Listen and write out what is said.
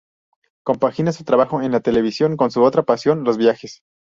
Compagina su trabajo en la televisión con su otra pasión, los viajes.